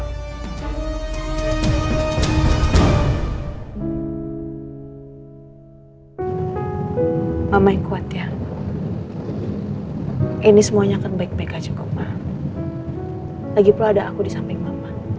hai mama yang kuat ya ini semuanya kebaik baik aja kok ma lagi pulang ada aku di samping mbak